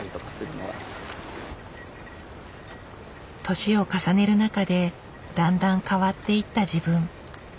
年を重ねる中でだんだん変わっていった自分。